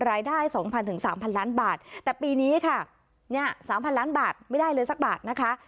รายได้๒๐๐๓๐๐ล้านบาทแต่ปีนี้ค่ะเนี่ย๓๐๐ล้านบาทไม่ได้เลยสักบาทนะคะ